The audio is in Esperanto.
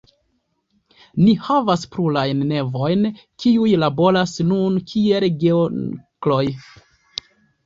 Ni havas plurajn nevojn, kiuj laboras nun kiel geonkloj.